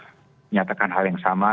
saya ingin menyatakan hal yang sama